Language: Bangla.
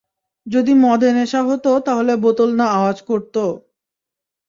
যদি মদে নেশা হতো তাহলে বোতল না আওয়াজ করত?